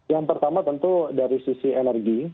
yang pertama tentu dari sisi energi